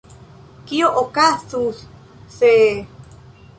Kio okazus, se…